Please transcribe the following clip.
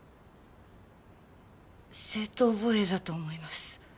正当防衛だと思います。